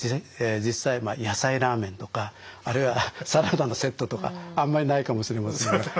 実際野菜ラーメンとかあるいはサラダのセットとかあんまりないかもしれませんが。